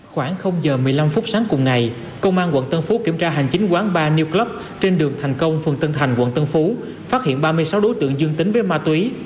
khoảng giờ một mươi năm phút sáng cùng ngày công an quận tân phú kiểm tra hành chính quán bar new club trên đường thành công phường tân thành quận tân phú phát hiện ba mươi sáu đối tượng dương tính với ma túy